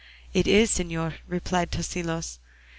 "It is, señor," replied Tosilos.